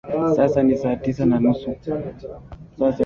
Sasa ni saa sita na nusu.